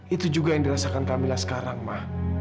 itu juga yang dirasakan kamila sekarang mah